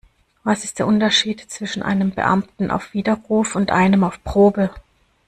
Was ist der Unterschied zwischen einem Beamten auf Widerruf und einem auf Probe?